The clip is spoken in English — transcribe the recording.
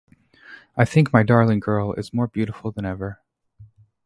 I think my darling girl is more beautiful than ever.